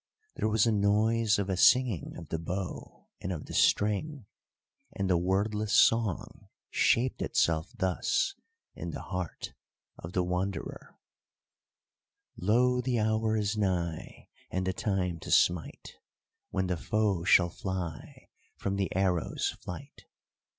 There was a noise of a singing of the bow and of the string, and the wordless song shaped itself thus in the heart of the Wanderer: Lo! the hour is nigh And the time to smite, When the foe shall fly From the arrow's flight!